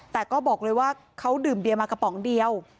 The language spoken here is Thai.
แต่ก็บอกเลยว่าเขาดื่มเบียมากระป๋องเดียว